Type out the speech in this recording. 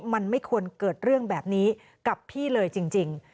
มันไม่ควรเกิดเรื่องแบบนี้กับพี่เลยจริง